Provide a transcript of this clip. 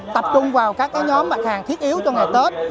tập trung vào các nhóm mặt hàng thiết yếu cho ngày tết